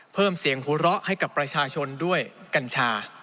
เพิ่มเสียงหัวเราะให้กับประชาชนด้วยกัญชา